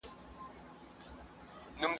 انا ماشوم ته وویل چې له دې ځایه ایسته شه.